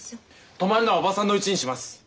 泊まるのは伯母さんのうちにします。